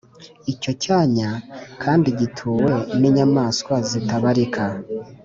icyo cyanya kandi gituwe n’inyamaswa zitabarika